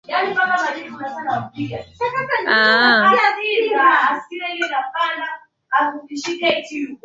Alisema mchambuzi wa shirika la habari la Uingereza Barry Davies